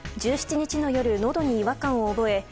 １７日の夜のどに違和感を覚え